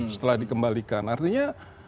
setelah dikembalikan artinya